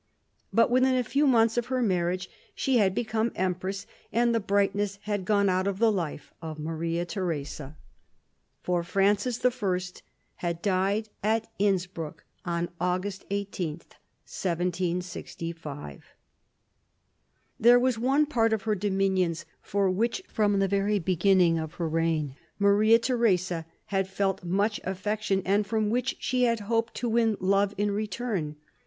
But within a few months of her marriage she had become empress ; and the brightness had gone out of the life of Maria Theresa, 198 MARIA THERESA chap, ix for Francis I. had died at Innsbruck on August 18, 1765. There was one part of her dominions for which, from the very beginning of her reign, Maria Theresa had felt much affection and from which she had hoped to win love in return.